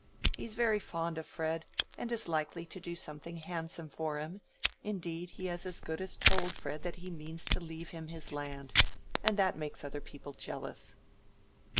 He's very fond of Fred, and is likely to do something handsome for him; indeed he has as good as told Fred that he means to leave him his land, and that makes other people jealous."